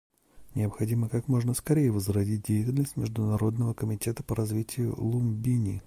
Необходимо как можно скорее возродить деятельность Международного комитета по развитию Лумбини.